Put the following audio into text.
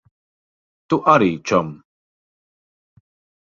Tu arī, čom.